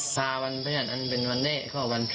ทาวันผลักฯอันเป็นวันเล่กอันโฌค